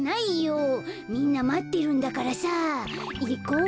みんなまってるんだからさいこう。